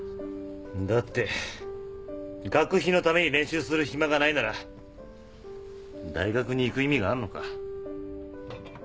だって学費のために練習する暇がないなら大学に行く意味があんのか？